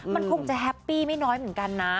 มันคงจะแฮปปี้ไม่น้อยเหมือนกันนะ